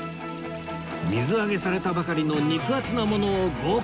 水揚げされたばかりの肉厚なものを豪快に揚げて